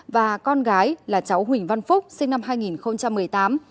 và con gái là cháu huỳnh văn phúc sinh năm hai nghìn một mươi tám